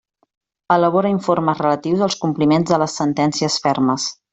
Elabora informes relatius als compliments de les sentències fermes.